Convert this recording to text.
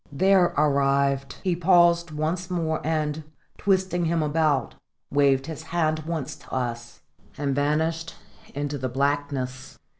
There arrived, he paused once more, and, twisting him about, waved his hand once to us and vanished into the blackness.